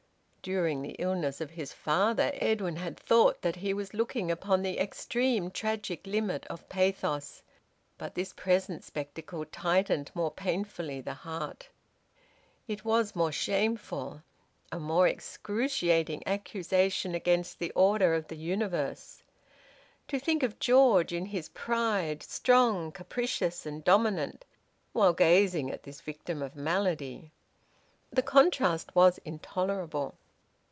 During the illness of his father Edwin had thought that he was looking upon the extreme tragic limit of pathos, but this present spectacle tightened more painfully the heart. It was more shameful: a more excruciating accusation against the order of the universe. To think of George in his pride, strong, capricious, and dominant, while gazing at this victim of malady ... the contrast was intolerable!